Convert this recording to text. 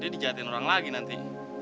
ini dijahatin orang lagi nanti